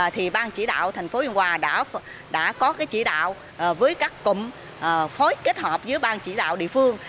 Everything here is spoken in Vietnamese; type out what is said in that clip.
thì ban chỉ đạo tp biên hòa đã có chỉ đạo với các cụm phối kết hợp với ban chỉ đạo địa phương